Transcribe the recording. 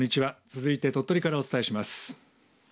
続いて鳥取からお伝えします。